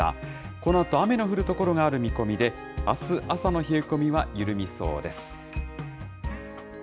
このあと、雨の降る所がある見込みで、あす朝の冷え込みは緩みそうです。